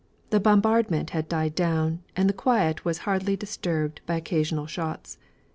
The bombardment had died down, and the quiet was hardly disturbed by occasional shots.